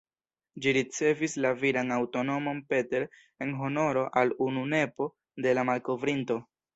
Ĝi ricevis la viran antaŭnomon ""Peter"", en honoro al unu nepo de la malkovrinto.